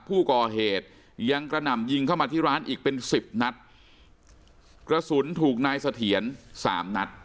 ผู้ก่อเหตุยังกระหน่ำยิงเข้ามาที่ร้านอีกเป็นสิบนัดกระสุนถูกนายเสถียรสามนัด